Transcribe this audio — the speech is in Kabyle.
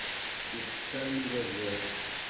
Yeṭṭes almi d azal.